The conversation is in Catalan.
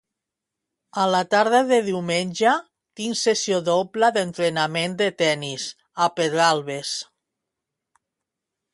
A la tarda de diumenge tinc sessió doble d'entrenament de tenis a Pedralbes.